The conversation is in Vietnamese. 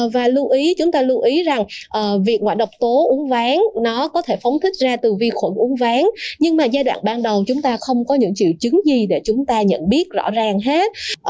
và chúng ta lưu ý rằng việc ngoại độc tố uốn ván có thể phóng thích ra từ vi khuẩn uốn ván nhưng giai đoạn ban đầu chúng ta không có những triệu chứng gì để chúng ta nhận biết rõ ràng hết